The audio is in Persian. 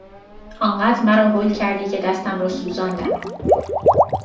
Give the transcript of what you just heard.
آنقدر مرا هول کردی که دستم را سوزاندم!